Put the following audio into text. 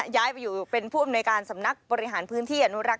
ย้ายไปอยู่เป็นผู้อำนวยการสำนักบริหารพื้นที่อนุรักษ